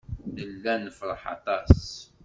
Nella nefṛeḥ aṭas.